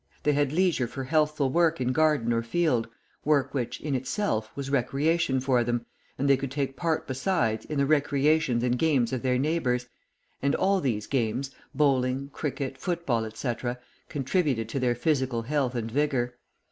They had leisure for healthful work in garden or field, work which, in itself, was recreation for them, and they could take part besides in the recreations and games of their neighbours, and all these games bowling, cricket, football, etc., contributed to their physical health and vigour.